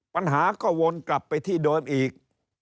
ปัญหาก็วนกลับไปที่เดิมอีก